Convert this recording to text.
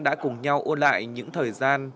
đã cùng nhau ôn lại những thời gian